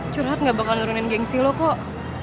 curhat gak bakal turunin gengsi lo kok